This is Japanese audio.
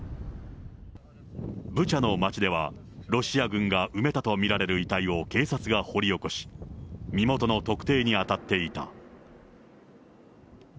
ブチャの町では、ロシア軍が埋めたと見られる遺体を警察が掘り起こし、身元の特定に当たっていた。